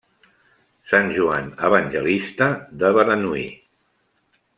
Sant Joan Evangelista de Beranui.